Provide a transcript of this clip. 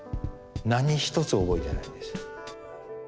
何一つ覚えてないんですよ。